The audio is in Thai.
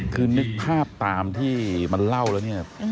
คือนึกภาพตามที่มันเล่าแล้วเนี่ย